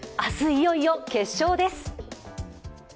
いよいよ決勝です。